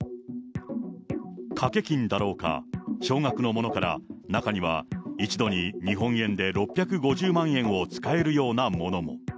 賭け金だろうか、少額のものから、中には一度に日本円で６５０万円を使えるようなものも。